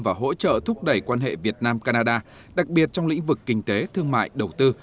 và hỗ trợ thúc đẩy quan hệ việt nam canada đặc biệt trong lĩnh vực kinh tế thương mại đầu tư